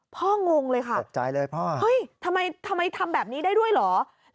พ่องงเลยค่ะเห้ยทำไมทำแบบนี้ได้ด้วยเหรออบใจเลยพ่อ